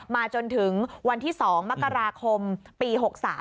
จนถึงวันที่๒มกราคมปี๖๓